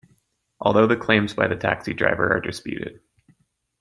Although the claims by the taxi driver are disputed.